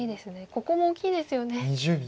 ここも大きいですよね。